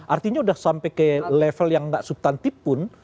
artinya sudah sampai ke level yang nggak subtantif pun